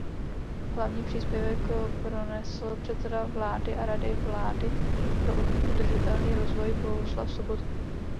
Hlavní příspěvek pronesl předseda vlády a Rady vlády pro udržitelný rozvoj Bohuslav Sobotka.